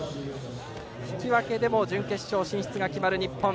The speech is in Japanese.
引き分けでも準決勝進出が決まる日本。